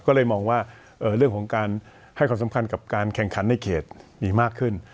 ก็เลยมองว่าเรื่องของการให้ความสำคัญกับการแข่งขันในเขตมีมากขึ้น